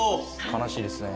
悲しいですね。